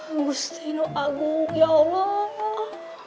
gusti ini agung ya allah